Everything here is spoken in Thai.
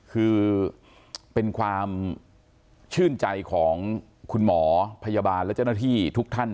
คือเป็นความชื่นใจของคุณหมอพยาบาลและเจ้าหน้าที่ทุกท่าน